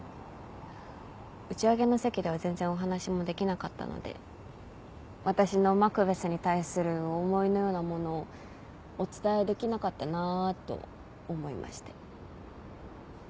打ち上げの席では全然お話もできなかったので私のマクベスに対する思いのようなものをお伝えできなかったなぁと思いまして。